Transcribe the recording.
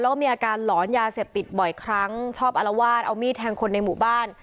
แล้วก็มีอาการหลอนยาเสพติดบ่อยครั้งชอบอารวาสเอามีดแทงคนในหมู่บ้าน